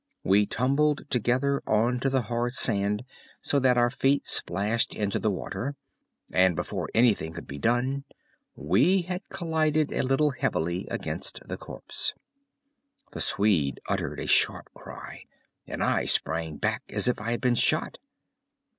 We tumbled together on to the hard sand so that our feet splashed into the water. And, before anything could be done, we had collided a little heavily against the corpse. The Swede uttered a sharp cry. And I sprang back as if I had been shot.